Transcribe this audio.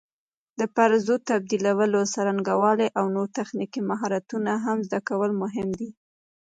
د پرزو تبدیلولو څرنګوالي او نور تخنیکي مهارتونه هم زده کول مهم دي.